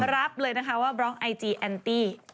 รับเลยนะคะว่าบล็อกไอจีแอนตี้